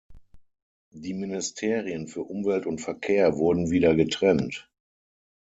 Die Ministerien für Umwelt und Verkehr wurden wieder getrennt.